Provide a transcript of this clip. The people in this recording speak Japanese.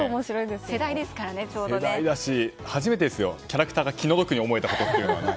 世代ですし初めてですよ、キャラクターが気の毒に思えたのは。